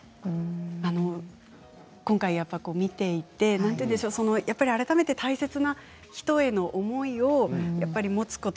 今回、見ていて改めて大切な人への思いを持つこと。